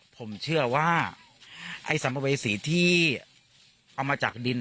ผมเชื่อว่าไอ้สัมภเวษีที่เอามาจากดิน